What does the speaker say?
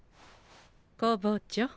工房長。